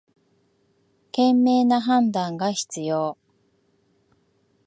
賢明な判断が必要